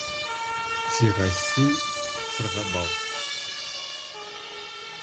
Сыйға — сый, сыраға — бал.